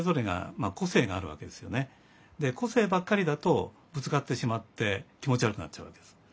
個性ばっかりだとぶつかってしまって気持ち悪くなっちゃうわけです。